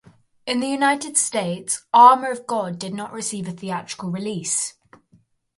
In the United States, "Armour of God" did not receive a theatrical release.